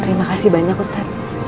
terima kasih banyak ustaz